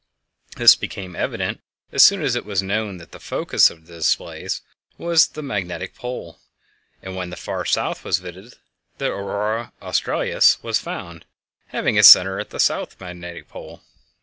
This became evident as soon as it was known that the focus of the displays was the magnetic pole; and when the far South was visited the Aurora Australis was found, having its center at the South Magnetic Pole.